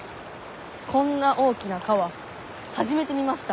こんな大きな川初めて見ました。